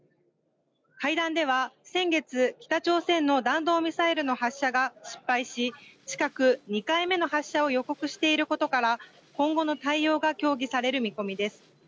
会談では先月、北朝鮮の弾道ミサイルの発射が失敗し近く、２回目の発射を予告していることから今後の対応が協議される見込みです。